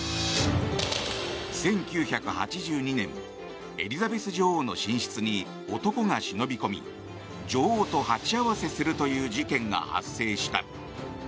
１９８２年エリザベス女王の寝室に男が忍び込み女王と鉢合わせするという事件が発生した。